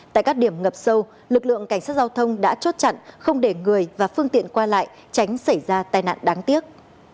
tại các điểm ngập sâu lực lượng cảnh sát giao thông đã chốt chặn không để người và phương tiện qua lại tránh xảy ra tai nạn đáng tiếc